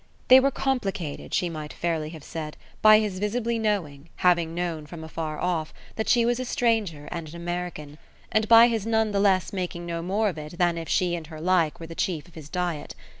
They were complicated, she might fairly have said, by his visibly knowing, having known from afar off, that she was a stranger and an American, and by his none the less making no more of it than if she and her like were the chief of his diet.